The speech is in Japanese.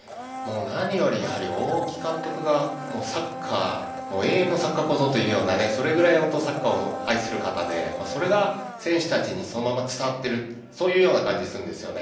何より大木監督が永遠のサッカー小僧というようなそれくらいサッカーを愛する方でそれが選手たちにそのまま伝わっている感じがします。